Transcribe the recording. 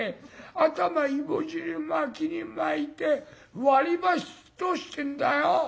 頭いぼじり巻きに巻いて割り箸通してんだよ？